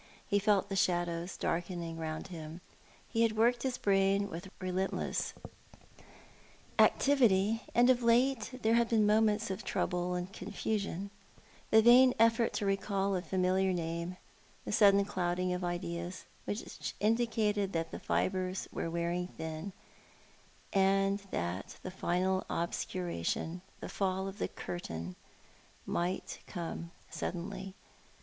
He felt the shadows darkening round him. He had worked his brain with relentless activity, and of late there had been moments of trouble and confusion — the vain effort to recall a familiar name — the sudden clouding of ideas— which indicated that the fibres were wearing thin, and that the final obscuration, the fall of the curtain, might come suddenly.